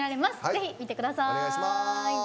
ぜひ見てください。